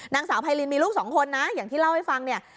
นางสาวไพรินมีลูกสองคนนะอย่างที่เล่าให้ฟังเนี่ย